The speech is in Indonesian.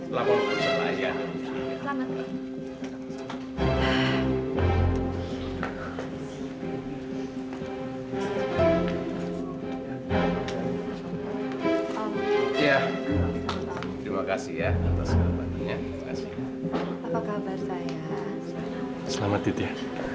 sampai jumpa di video selanjutnya